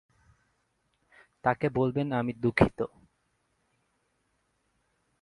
তাকে বলবেন আমি দুঃখিত।